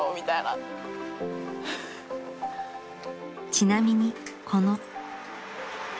［ちなみにこの］